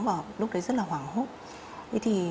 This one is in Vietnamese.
và lúc đấy rất là hoảng hốt